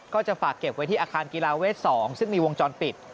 ก็จะฝากเก็บไว้ที่อาคารกีฬาเวท๒ซึ่งมีวงจรปิด